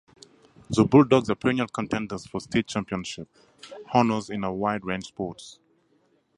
The Bulldogs are perennial contenders for state championship honors in a wide range sports.